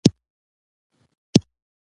ځغاسته د فعاله ژوند تګلاره ده